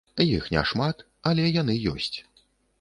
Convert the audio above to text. Іх не шмат, але яны ёсць.